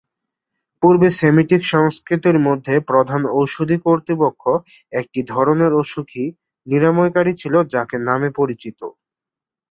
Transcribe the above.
পূর্ব Semitic সংস্কৃতির মধ্যে, প্রধান ঔষধি কর্তৃপক্ষ একটি ধরনের অসুখী-নিরাময়কারী ছিল যাকে নামে পরিচিত।